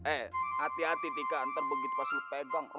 eh hati hati tika ntar begitu pas lo pegang